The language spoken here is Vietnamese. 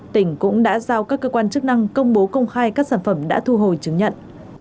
tỉnh cũng đã giao các cơ quan chức năng công bố công khai các sản phẩm đã thu hồi chứng nhận